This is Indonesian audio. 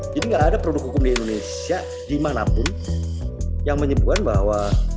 jadi nggak ada produk hukum di indonesia dimanapun yang menyebutkan bahwa